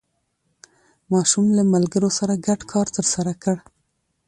ماشوم له ملګرو سره ګډ کار ترسره کړ